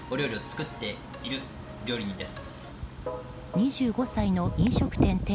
２５歳の飲食店店